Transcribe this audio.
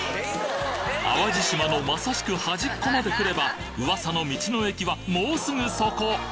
淡路島のまさしく端っこまで来れば噂の道の駅はもうすぐそこ！